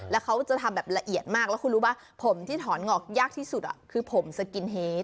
แล้วเขาจะทำแบบละเอียดมากแล้วคุณรู้ป่ะผมที่ถอนงอกยากที่สุดคือผมสกินเฮด